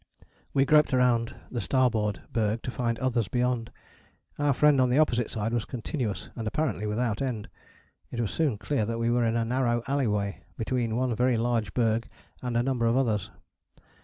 We groped round the starboard berg to find others beyond. Our friend on the opposite side was continuous and apparently without end. It was soon clear that we were in a narrow alley way between one very large berg and a number of others.